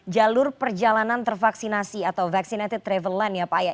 jalur perjalanan tervaksinasi atau vaccinated travel line ya pak